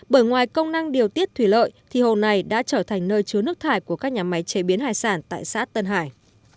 bởi ngoài công năng điều tiết thủy lợi thì hồ này đã trở thành nơi chứa nước thải của các nhà máy chế biến hải sản tại xã tân hải